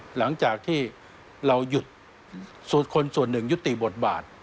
หลังจากที่เราหยุดส่วนคนส่วนหนึ่งยุติบทบาท